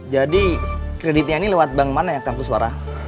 jadi kreditnya ini lewat bank mana ya kampuswara